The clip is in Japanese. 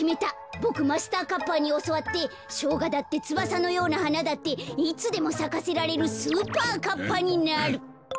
ボクマスターカッパーにおそわってしょうがだってつばさのようなはなだっていつでもさかせられるスーパーカッパになる。